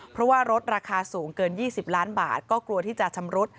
เพราะว่ารถราคาสูงเกิน๒๐ล้านบาทก็กลัวที่จะชำรุด